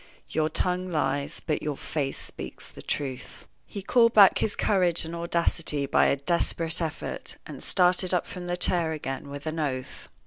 "Your tongue lies, but your face speaks the truth." He called back his courage and audacity by a desperate effort, and started up from the chair again with an oath.